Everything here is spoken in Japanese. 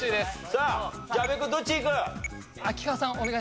さあ！